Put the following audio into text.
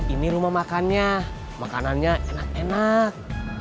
ini rumah makannya makanannya enak enak